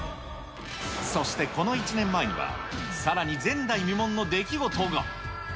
そしてこの１年前には、さらに前代未聞の出来事が。